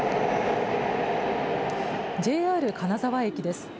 ＪＲ金沢駅です。